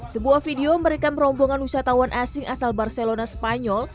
sebuah video merekam rombongan wisatawan asing asal barcelona spanyol